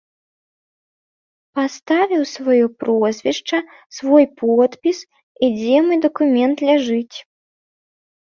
Паставіў сваё прозвішча, свой подпіс і дзе мой дакумент ляжыць.